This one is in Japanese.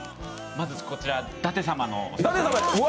まずこちら、舘様の。